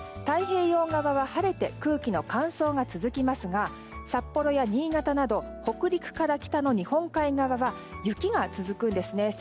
太平洋側は晴れて空気の乾燥が続きますが札幌や新潟など北陸から北の日本海側は雪が続くんですね。